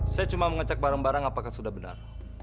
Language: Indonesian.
saya cuma mengecek barang barang apakah sudah benar